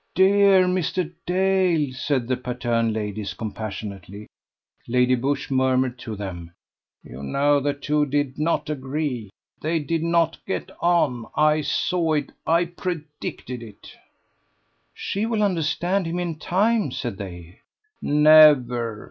"Dear Mr. Dale!" said the Patterne ladies, compassionately. Lady Busshe murmured to them: "You know the two did not agree; they did not get on: I saw it; I predicted it." "She will understand him in time," said they. "Never.